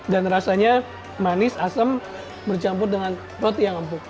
dan rasanya manis asem bercampur dengan roti yang empuk